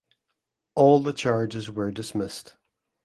All the charges were dismissed.